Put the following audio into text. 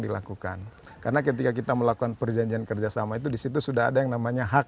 dilakukan karena ketika kita melakukan perjanjian kerjasama itu disitu sudah ada yang namanya hak